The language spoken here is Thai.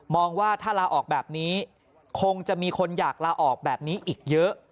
ว่าถ้าลาออกแบบนี้คงจะมีคนอยากลาออกแบบนี้อีกเยอะ